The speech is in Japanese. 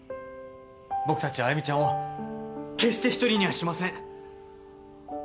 僕たちは愛魅ちゃんを決して一人にはしません。